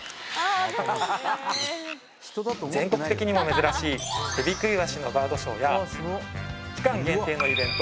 全国的にも珍しいヘビクイワシのバードショーや期間限定のイベント